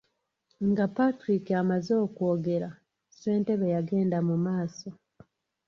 Nga Patrick amaze okwogera, ssentebe yagenda mu maaso.